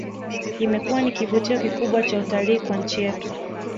Imekuwa ni kivutio kikubwa cha utalii kwa nchi yetu